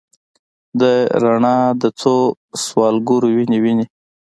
د رڼا د څوسوالګرو، وینې، وینې